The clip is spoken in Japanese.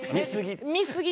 見すぎ？